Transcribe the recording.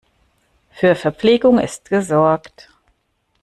Für Verpflegung ist gesorgt.